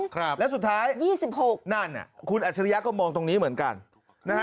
๒๒ครับแล้วสุดท้าย๒๖นั่นคุณอัจฉริยะก็มองตรงนี้เหมือนกัน